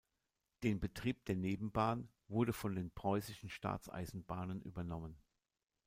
Den Betrieb der Nebenbahn wurde von den Preußischen Staatseisenbahnen übernommen.